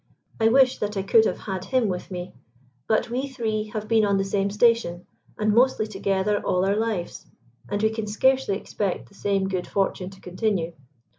I wish that I could have had him with me; but we three have been on the same station, and mostly together all our lives, and we can scarcely expect the same good fortune to continue."